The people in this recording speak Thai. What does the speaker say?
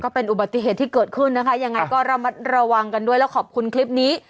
เป็นอุบัติเหตุที่เกิดขึ้นนะคะยังไงก็ระมัดระวังกันด้วยแล้วขอบคุณคลิปนี้